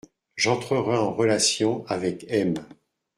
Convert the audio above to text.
J’entrerai en relation avec M.